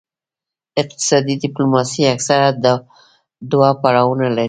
اقتصادي ډیپلوماسي اکثراً دوه پړاوونه لري